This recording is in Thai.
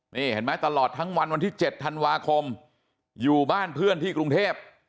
นี่เห็นไหมตลอดทั้งวันวันที่๗ธันวาคมอยู่บ้านเพื่อนที่กรุงเทพ